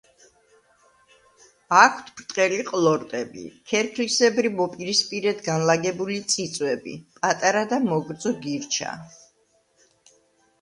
აქვთ ბრტყელი ყლორტები, ქერქლისებრი მოპირისპირედ განლაგებული წიწვები, პატარა და მოგრძო გირჩა.